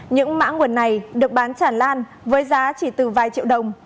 những mã nguồn này được bán chản lan với giá chỉ từ vài triệu đồng